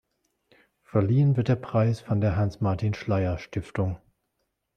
Verliehen wird der Preis von der Hanns Martin Schleyer-Stiftung.